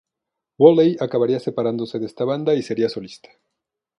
Woolley acabaría separándose de esta banda y sería solista.